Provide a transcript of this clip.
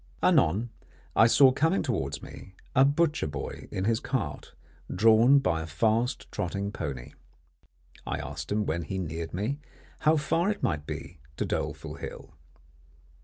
Anon I saw coming towards me, a butcher boy in his cart, drawn by a fast trotting pony. I asked him when he neared me, how far it might be to Doleful Hill.